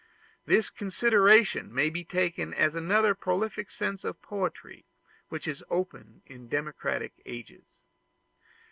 This consideration may be taken as another prolific source of poetry which is opened in democratic ages.